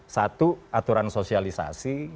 satu aturan sosialisasi